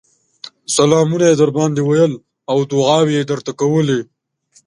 سلامونه يې درباندې ويل او دعاوې يې درته کولې